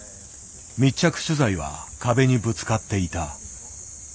密着取材は壁にぶつかっていた。